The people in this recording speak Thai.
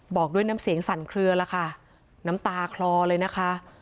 บอกด้วยน้ำเสียงสั่นเคลือล่ะค่ะน้ำตาคลอเลยนะคะ